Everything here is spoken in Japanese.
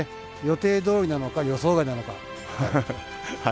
予定どおりなのか、予想外なのか。